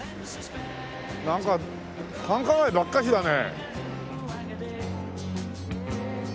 なんか繁華街ばっかしだね。